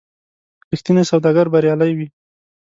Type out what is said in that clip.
رښتینی سوداګر بریالی وي.